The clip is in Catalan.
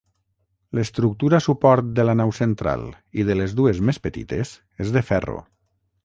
L'estructura suport de la nau central i de les dues més petites és de ferro.